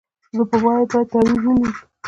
نو په ما به یې تعویذ ولي لیکلای